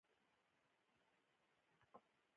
ازادي راډیو د د بیان آزادي پر وړاندې د حل لارې وړاندې کړي.